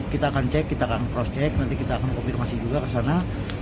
kita akan cek kita akan cross check nanti kita akan konfirmasi juga ke sana